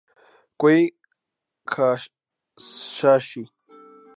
Kohei Hayashi